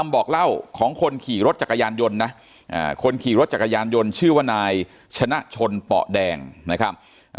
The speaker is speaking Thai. บอกเล่าของคนขี่รถจักรยานยนต์นะคนขี่รถจักรยานยนต์ชื่อว่านายชนะชนเปาะแดงนะครับ